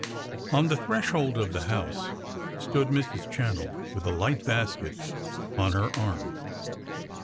On the threshold of the house stood Mrs. Channell with a light basket on her arm.